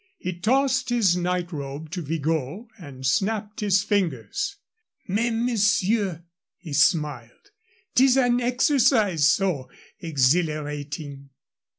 He tossed his night robe to Vigot and snapped his fingers. "Mais, monsieur," he smiled. "'Tis an exercise so exhilarating."